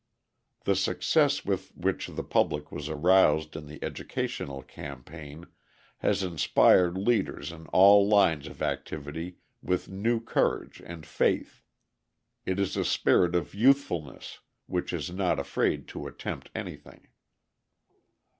The success with which the public was aroused in the educational campaign has inspired leaders in all lines of activity with new courage and faith. It is a spirit of youthfulness which is not afraid to attempt anything.